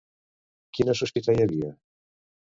Quina sospita hi havia?